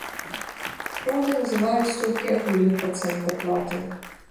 Праўда, называюць толькі агульны працэнт даплатаў.